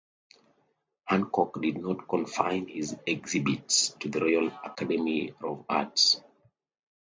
Hancock did not confine his exhibits to the Royal Academy of Arts.